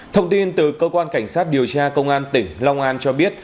thông tin từ cơ quan cảnh sát điều tra công an tỉnh long an cho biết